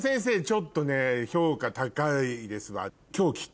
ちょっとね評価高いですわ。